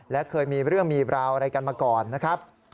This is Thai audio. และเคยมีเรื่องมีราวอะไรกันมาก่อนนะครับ